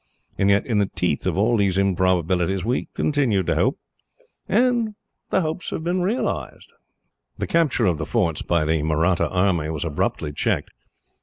"And yet, in the teeth of all these improbabilities, we continued to hope, and the hopes have been realised." The capture of forts by the Mahratta army was abruptly checked.